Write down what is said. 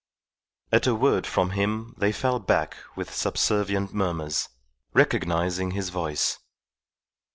At a word from him they fell back with subservient murmurs, recognizing his voice.